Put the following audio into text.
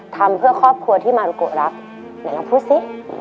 ทำเพื่อครอบครัวที่มารุโกรักไหนลองพูดสิ